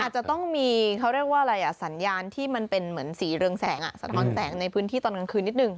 อาจจะต้องมีเขาเรียกว่าอะไรอ่ะสัญญาณที่มันเป็นเหมือนสีเรืองแสงสะท้อนแสงในพื้นที่ตอนกลางคืนนิดนึง